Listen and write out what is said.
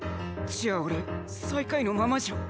じゃあ俺最下位のままじゃん。